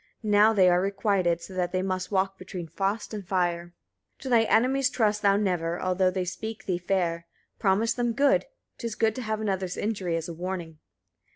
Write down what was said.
Now they are requited, so that they must walk between frost and fire. 19. To thy enemies trust thou never, although they speak thee fair: promise them good: 'tis good to have another's injury as a warning.